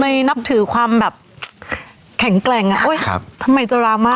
ในนับถือความแบบแข็งแกร่งอ่ะทำไมจะร้ามาก